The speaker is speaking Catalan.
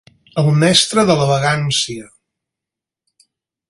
El mestre de la vagància.